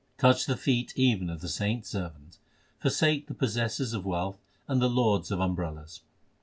Touch the feet even of the saints servant. Forsake the possessors of wealth and the lords of um brellas.